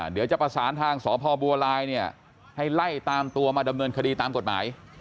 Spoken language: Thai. เดี๋ยวจะประสานทางสพบัวลายเนี่ยให้ไล่ตามตัวมาดำเนินคดีตามกฎหมาย